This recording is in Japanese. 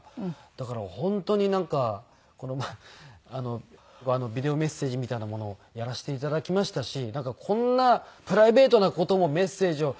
だから本当になんかビデオメッセージみたいなものをやらせて頂きましたしこんなプライベートな事もメッセージを。